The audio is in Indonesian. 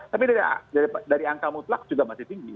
tapi dari angka mutlak juga masih tinggi